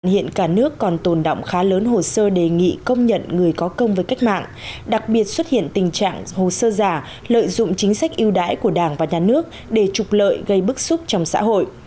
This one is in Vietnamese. hiện cả nước còn tồn động khá lớn hồ sơ đề nghị công nhận người có công với cách mạng đặc biệt xuất hiện tình trạng hồ sơ giả lợi dụng chính sách yêu đãi của đảng và nhà nước để trục lợi gây bức xúc trong xã hội